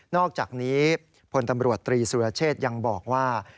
อกจากนี้พลตำรวจตรีสุรเชษยังบอกว่า